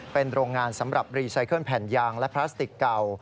เป็นโรงงานสำหรับรีไซเคิลแผ่นยางและพลาสติกเก่า